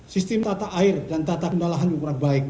sistem tata air dan tata kendalahan yang kurang baik